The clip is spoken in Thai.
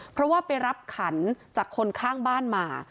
เพราะว่าไปรับขันจากคนข้างบ้านมา